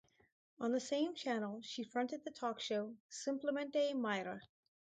On the same channel she fronted the talk show "Simplemente Mayra".